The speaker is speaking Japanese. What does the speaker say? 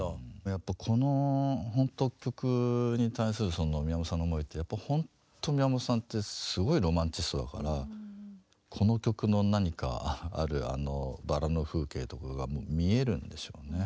やっぱこのほんと曲に対するその宮本さんの思いってほんと宮本さんってすごいロマンチストだからこの曲の何かあるあのバラの風景とかがもう見えるんでしょうね。